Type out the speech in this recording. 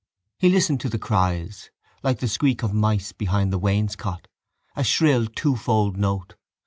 He listened to the cries: like the squeak of mice behind the wainscot: a shrill twofold note.